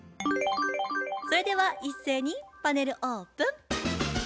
それでは一斉にパネルオープン。